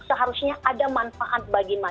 seharusnya ada manfaat bagi masyarakat